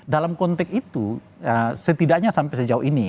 dalam konteks itu setidaknya sampai sejauh ini